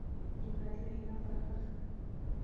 جمله د وینا برخه ده.